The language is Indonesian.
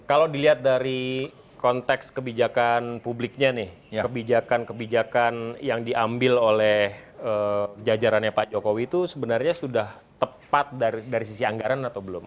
kalau dilihat dari konteks kebijakan publiknya nih kebijakan kebijakan yang diambil oleh jajarannya pak jokowi itu sebenarnya sudah tepat dari sisi anggaran atau belum